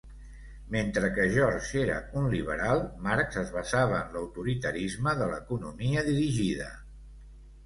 Mentre que George era un liberal, Marx es basava en l'autoritarisme de l'economia dirigida.